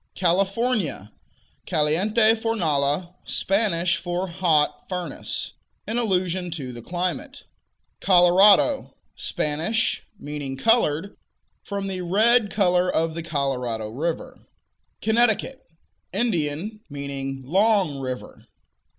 California Caliente Fornala, Spanish for "hot furnace," in allusion to the climate. Colorado Spanish; meaning "colored," from the red color of the Colorado river. Connecticut Indian; meaning "long river."